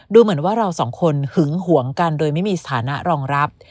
ดูเหมือนว่าเราสองคนหึงหวงกันโดยไม่มีสถานะรองรับ